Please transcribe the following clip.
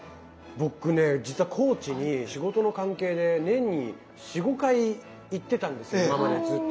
僕ね実は高知に仕事の関係で年に４５回行ってたんです今までずっと。